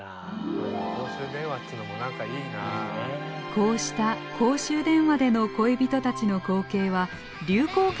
こうした公衆電話での恋人たちの光景は流行歌にも歌われました。